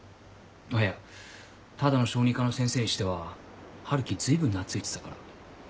いやただの小児科の先生にしては春樹ずいぶん懐いてたから。